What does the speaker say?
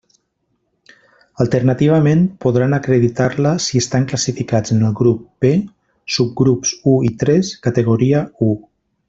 Alternativament, podran acreditar-la si estan classificats en el grup P, subgrups u i tres, categoria u.